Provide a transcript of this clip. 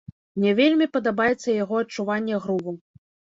Мне вельмі падабаецца яго адчуванне груву.